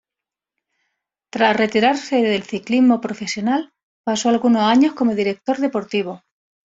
Tras retirarse del ciclismo profesional, pasó algunos años como director deportivo.